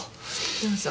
どうぞ。